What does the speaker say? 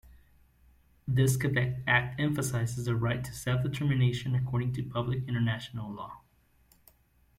This Quebec act emphasizes the right to self-determination according to public international law.